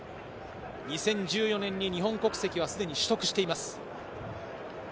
２０１４年に日本国籍はすでに取得しています。